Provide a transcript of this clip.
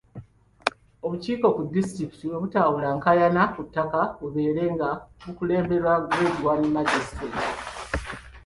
Obukiiko ku disitulikiti obutawulula enkaayana ku ttaka bubeere nga bukulemberwa Grade one Magistrate.